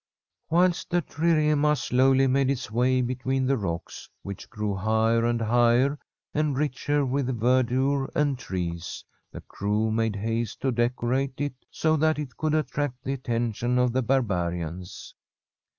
Whilst the trirema slowly made its way be tween the rocks, which g^ew higher and higher and richer with verdure and trees, the crew made haste to decorate it so that it could attract the at From a SfFEDISH HOMESTEAD tention of the barbarians.